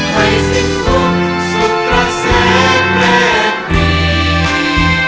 ให้สิ่งคุกสุขและเส้นแรกดี